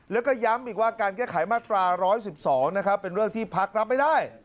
แล้วก็ย้ำอีกว่าการแก้ไขมาตรา๑๑๒นะครับเป็นเรื่องที่พักรับไม่ได้